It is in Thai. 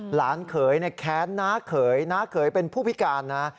หลานเขยแค้นน้าเขยหลานเขยเป็นผู้ผิการนะฮะ